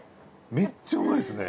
めっちゃ美味いっすね。